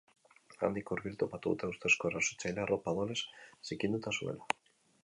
Handik hurbil topatu dute ustezko erasotzailea arropa odolez zikinduta zuela.